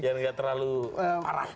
jangan nggak terlalu parah